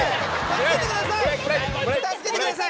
助けてください